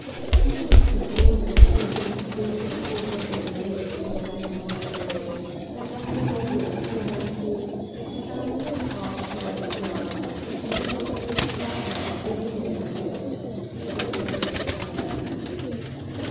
He told her all that the agent of police had already related to Madame de Monterey ; that on the body of Pierre Mortier they had found the card of a restaurant, and he did I08 THE STEEL HAMMER. not omit to tell her of the women who had supped at th6 next table to Pierre.